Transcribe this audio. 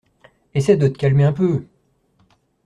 Essaie de te calmer un peu!